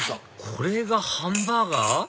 これがハンバーガー？